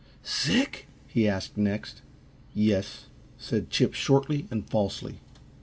"Sick?" He asked next. "Yes!" said Chip, shortly and falsely.